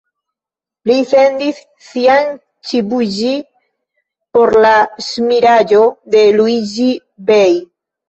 Li sendis sian _ĉibuĝi_ por la ŝmiraĵo de Luiĝi-Bej.